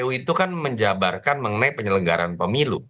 kpu itu kan menjabarkan mengenai penyelenggaran pemilu